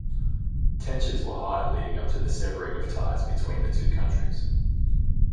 Tensions were high leading up to the severing of ties between the two countries.